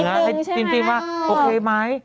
จริงว่าโอเคไหม